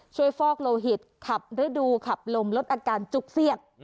ฟอกโลหิตขับฤดูขับลมลดอาการจุกเสี้ยก